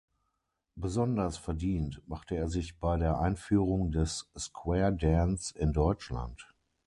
Besonders verdient machte er sich bei der Einführung des Square-Dance in Deutschland.